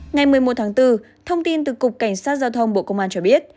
ngày một mươi một tháng bốn thông tin từ cục cảnh sát giao thông bộ công an cho biết